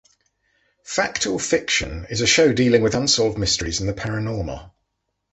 "Fact or Fiction" is a show dealing with unsolved mysteries and the paranormal.